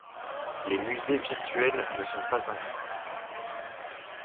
Les musées virtuels ne sont pas inclus.